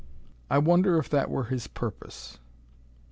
I wonder if that were His purpose....